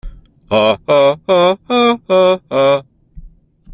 Ah ! ah ! ah ! ah ! ah ! ah !